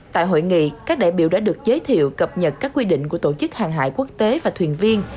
tại hội nghị các đại biểu đã được giới thiệu cập nhật các quy định của tổ chức hàng hải quốc tế và thuyền viên